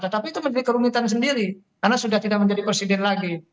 tetapi itu menjadi kerumitan sendiri karena sudah tidak menjadi presiden lagi